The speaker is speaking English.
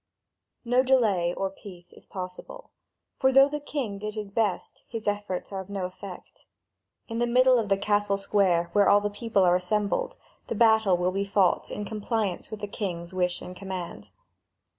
No delay or peace is possible, for though the king did his best, his efforts are of no effect. In the middle of the castle square, where all the people are assembled, the battle will be fought in compliance with the king's wish and command.